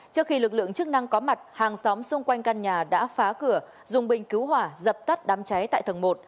trước khi lực lượng chức năng có mặt hàng xóm xung quanh căn nhà đã phá cửa dùng bình cứu hỏa dập tắt đám cháy tại tầng một